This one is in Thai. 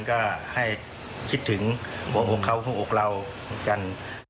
ก็ให้คิดถึงหัวอกเขาหัวอกเราเหมือนกัน